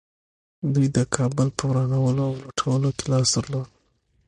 دوی د کابل په ورانولو او لوټولو کې لاس درلود